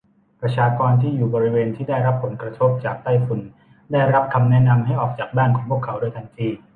ประชากรที่อยู่บริเวณที่ได้รับผลกระทบจากไต้ฝุ่น ได้รับคำแนะนำให้ออกจากบ้านของพวกเขาโดยทันที